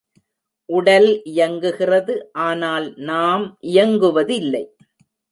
உடல் இயங்குகிறது ஆனால் நாம் இயங்குவதில்லை.